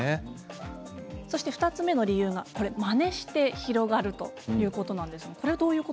２つ目の理由が、まねして広がるということです。